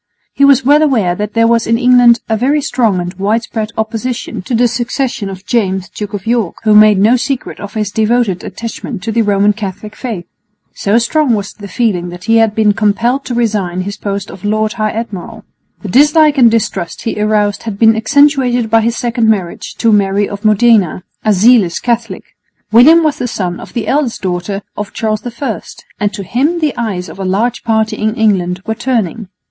He was well aware that there was in England a very strong and widespread opposition to the succession of James Duke of York, who made no secret of his devoted attachment to the Roman Catholic faith. So strong was the feeling that he had been compelled to resign his post of Lord High Admiral. The dislike and distrust he aroused had been accentuated by his second marriage to Mary of Modena, a zealous Catholic. William was the son of the eldest daughter of Charles I, and to him the eyes of a large party in England were turning.